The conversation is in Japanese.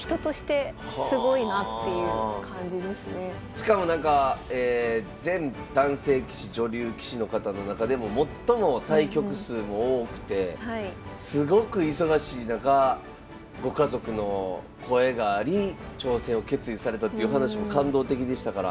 しかもなんか全男性棋士女流棋士の方の中でも最も対局数も多くてすごく忙しい中ご家族の声があり挑戦を決意されたっていう話も感動的でしたから。